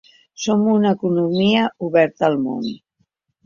“Som una economia oberta al món”